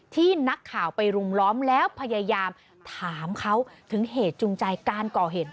ที่นักข่าวไปรุมล้อมแล้วพยายามถามเขาถึงเหตุจูงใจการก่อเหตุ